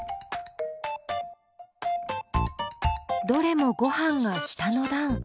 どれもごはんが下の段。